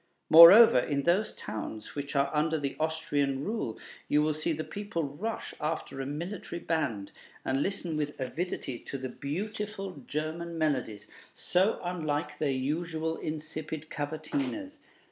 Moreover, in those towns which are under the Austrian rule, you will see the people rush after a military band, and listen with avidity to the beautiful German melodies, so unlike their usual insipid cavatinas.